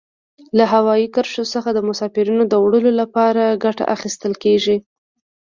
له هوایي کرښو څخه د مسافرینو د وړلو لپاره ګټه اخیستل کیږي.